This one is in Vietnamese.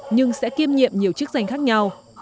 nhưng sẽ kiêm nhiệm nhiều chức danh khác nhau